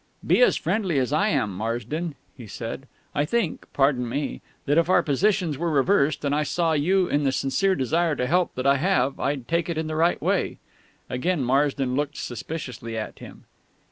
"Be as friendly as I am, Marsden," he said. "I think pardon me that if our positions were reversed, and I saw in you the sincere desire to help that I have, I'd take it in the right way." Again Marsden looked suspiciously at him.